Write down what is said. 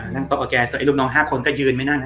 โต๊ะกับแกลูกน้อง๕คนก็ยืนไม่นั่ง